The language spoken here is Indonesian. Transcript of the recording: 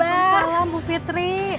waalaikumsalam bu fitri